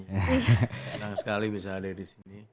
senang sekali bisa hadir disini